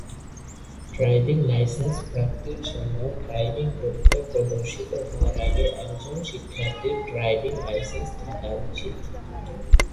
Driving licence প্রাপ্তির জন্য driving পরীক্ষা প্রদর্শিত হওয়ার আগে একজন শিক্ষার্থীর ড্রাইভিং লাইসেন্স থাকা উচিত।